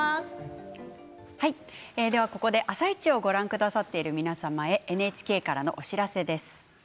ここで「あさイチ」をご覧くださっている皆様へＮＨＫからのお知らせです。